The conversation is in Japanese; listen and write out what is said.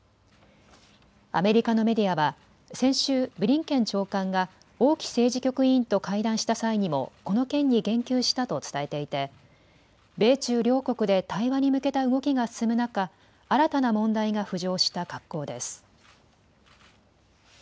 アメリカのメディアは先週、ブリンケン長官が王毅政治局委員と会談した際にもこの件に言及したと伝えていて米中両国で対話に向けた動きが進む中、新たな問題が浮上した格好です。